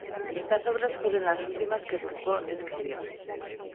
Estas obras fueron las últimas que Foucault escribió.